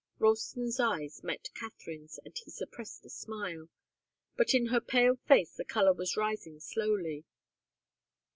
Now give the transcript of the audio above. Ralston's eyes met Katharine's, and he suppressed a smile, but in her pale face the colour was rising slowly.